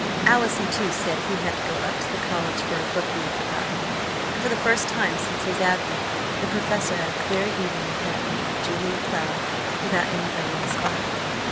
Allison, too, said he had to go up to the college for a book he had forgotten; and for the first time since his advent the professor had a clear evening ahead of him with Julia Cloud, without anybody else by.